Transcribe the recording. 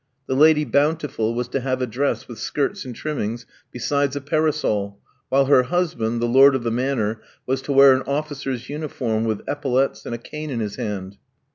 The Lady Bountiful was to have a dress with skirts and trimmings, besides a parasol; while her husband, the Lord of the Manor, was to wear an officer's uniform, with epaulettes, and a cane in his hand.